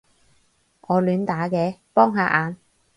我亂打嘅，幫下眼